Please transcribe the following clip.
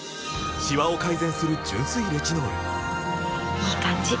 いい感じ！